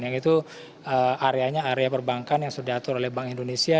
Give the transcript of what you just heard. yang itu areanya area perbankan yang sudah diatur oleh bank indonesia